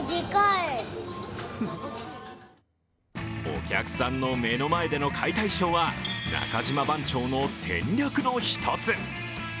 お客さんの目の前での解体ショーは中島番長の戦略の１つ。